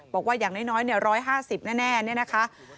บอกว่าอย่างน้อย๑๕๐แน่เนี่ยนะคะ